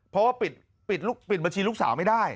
เพราะว่าปิดบัญชีลูกสาวไม่ได้